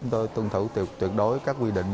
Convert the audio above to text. tôi tuân thủ tuyệt đối các quy định